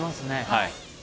はい。